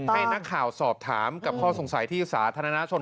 ให้นักข่าวสอบถามกับข้อสงสัยที่สาธารณชน